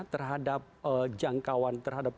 terhadap jangkauan terhadap